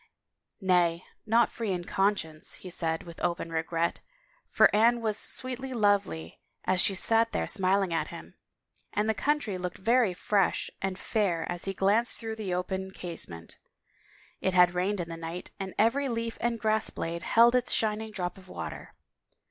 " Nay, not free in conscience," he said with open re gret, for Anne was sweetly lovely as she sat there smil ing at him, and the country looked very fresh and fair as he glanced through the open casement. It had rained in the night and every leaf and grass blade held its shining drop of water.